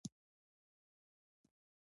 د قاضی اوصاف پنځه دي.